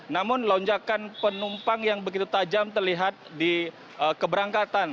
namun lonjakan penumpang yang begitu tajam terlihat di keberangkatan